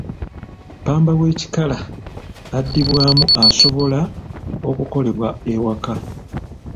Ppamba w'ekikala addibwamu asobola okukolebwa ewaka.